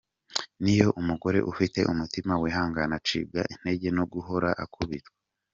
Niyo umugore ufite umutima wihangana acibwa intege no guhora akubitwa.